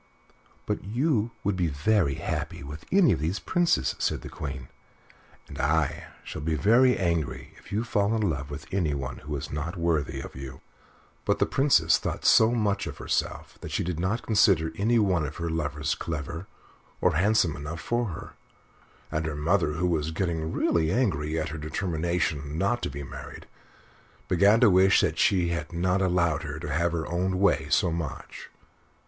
"But you would be very happy with any of these Princes," said the Queen, "and I shall be very angry if you fall in love with anyone who is not worthy of you." But the Princess thought so much of herself that she did not consider any one of her lovers clever or handsome enough for her; and her mother, who was getting really angry at her determination not to be married, began to wish that she had not allowed her to have her own way so much.